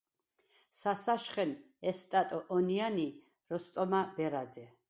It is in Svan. სასაშხენ – ჲესტატ ვონია̄ნ ი როსტომაჲ ბერაძე.